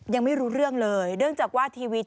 ยังไม่รู้เรื่องเลย